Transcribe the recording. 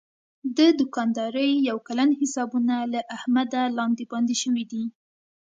د دوکاندارۍ یو کلن حسابونه له احمده لاندې باندې شوي دي.